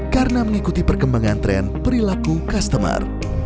karena mengikuti perkembangan tren perilaku customer